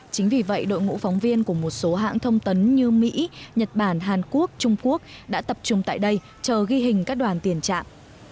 chính vì vậy đội ngũ phóng viên của một số hãng thông tấn như mỹ nhật bản hàn quốc trung quốc đã tập trung tại đây chờ ghi hình các đoàn tiền trạm